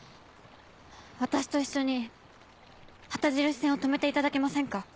私と一緒に旗印戦を止めていただけませんか？